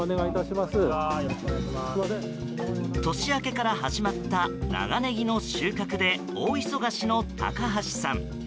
年明けから始まった長ネギの収穫で大忙しの高橋さん。